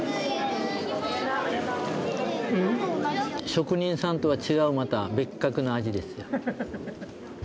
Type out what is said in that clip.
職人さんとは違うまた別格の味です。